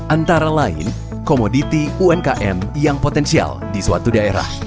antara lain komoditi umkm yang potensial di suatu daerah